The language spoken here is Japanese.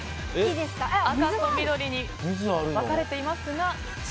赤と緑に分かれていますが。